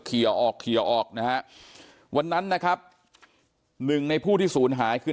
ออกเคลียร์ออกนะฮะวันนั้นนะครับหนึ่งในผู้ที่ศูนย์หายคือ